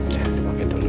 coba dipakein dulu ya